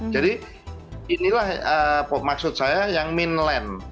jadi inilah maksud saya yang mainland